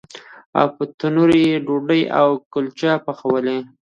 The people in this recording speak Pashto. او په تنور یې ډوډۍ او کلچې پخولې.